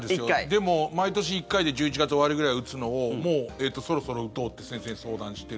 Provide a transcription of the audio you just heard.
でも、毎年１回で１１月終わりぐらいに打つのをもう、そろそろ打とうって先生に相談してる。